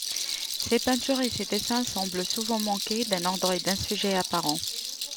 Ses peintures et ses dessins semblent souvent manquer d'un ordre et d'un sujet apparent.